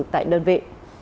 tại đơn vị